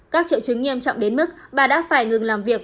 các triệu chứng nghiêm trọng đến mức bà đã phải ngừng làm việc